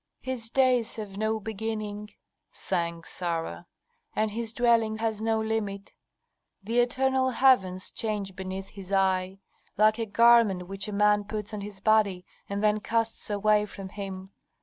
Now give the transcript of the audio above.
"His days have no beginning," sang Sarah, "and His dwelling has no limit. The eternal heavens change beneath His eye, like a garment which a man puts on his body and then casts away from him.